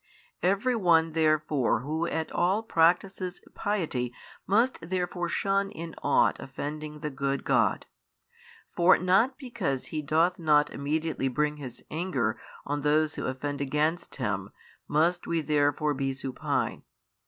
Every one therefore who at all practiseth piety must therefore shun in ought offending the good God. For not because He doth not immediately bring His Anger on those who offend against Him, must we therefore be supine.